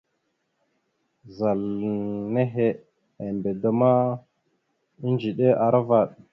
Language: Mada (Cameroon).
Zal nehe embe da ma, edziɗe aravaɗ.